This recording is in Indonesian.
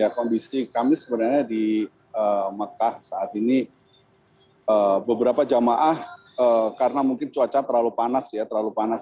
kondisi kami sebenarnya di mekah saat ini beberapa jemaah karena mungkin cuaca terlalu panas